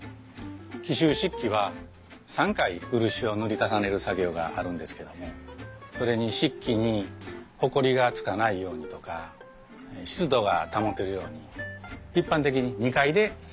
紀州漆器は３回漆を塗り重ねる作業があるんですけどもそれに漆器にほこりがつかないようにとか湿度が保てるように一般的に２階で作業をしていたんです。